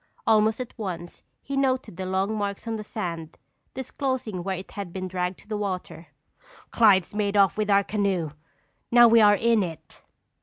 Almost at once he noted the long marks on the sand, disclosing where it had been dragged to the water. "Clyde's made off with our canoe! Now we are in it!"